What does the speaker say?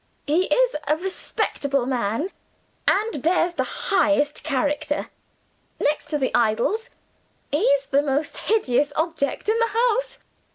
He is a respectable man, and bears the highest character. Next to the idols, he's the most hideous object in the house.